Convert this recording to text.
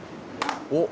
おっ！